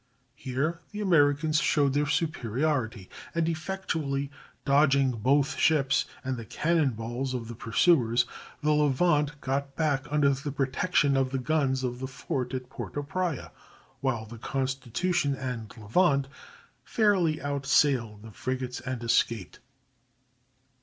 Here the Americans showed their superiority, and effectually dodging both the ships and the cannon balls of the pursuers, the Levant got back under the protection of the guns of the fort at Porto Praya, while the Constitution and Levant fairly outsailed the frigates and escaped.